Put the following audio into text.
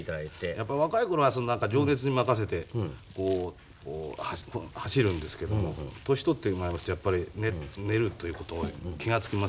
やっぱ若い頃は情熱に任せてこう走るんですけども年取ってまいりますとやっぱり練るということを気が付きます。